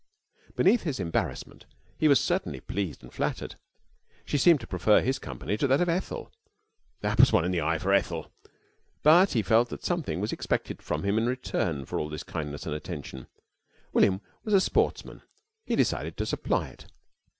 Beneath his embarrassment he was certainly pleased and flattered. She seemed to prefer his company to that of Ethel. That was one in the eye for Ethel. But he felt that something was expected from him in return for all this kindness and attention. William was a sportsman. He decided to supply it.